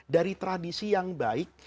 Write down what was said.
dari tradisi yang baik